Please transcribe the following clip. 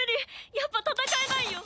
やっぱ戦えないよ！